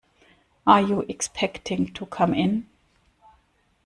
Are you expecting to come in?